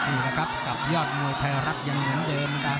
นี่แหละครับกับยอดมวยไทยรัฐยังเหมือนเดิม